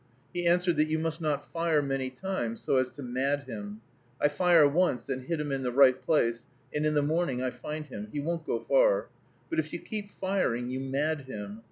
He answered that you must not fire many times, so as to mad him. "I fire once and hit him in the right place, and in the morning I find him. He won't go far. But if you keep firing, you mad him.